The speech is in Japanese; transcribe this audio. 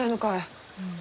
うん。